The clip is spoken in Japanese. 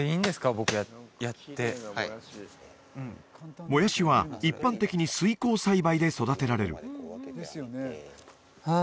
僕やってはいもやしは一般的に水耕栽培で育てられるはあ